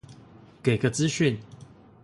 給個資訊